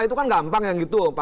itu kan gampang yang gitu